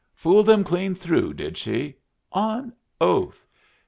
"Fooled them clean through, did she? On oath!